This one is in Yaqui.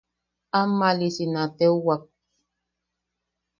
Ammalisi na teuwak.